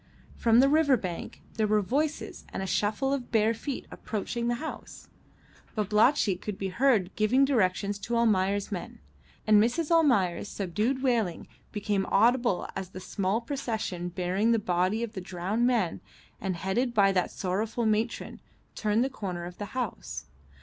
From the river bank there were voices and a shuffle of bare feet approaching the house; Babalatchi could be heard giving directions to Almayer's men, and Mrs. Almayer's subdued wailing became audible as the small procession bearing the body of the drowned man and headed by that sorrowful matron turned the corner of the house.